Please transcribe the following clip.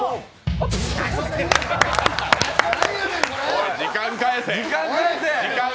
おい、時間返せ！